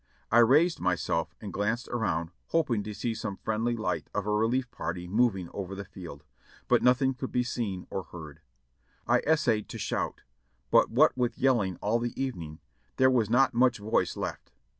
I raised myself and glanced around hoping to see some friendly light of a relief party moving over the field, but nothing could be seen or heard. I essayed to shout, but what with yelling all the evening there was not much voice left.